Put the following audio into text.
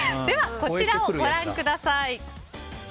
では、こちらをご覧ください。